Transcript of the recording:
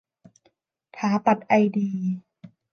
ถาปัตย์ไอดี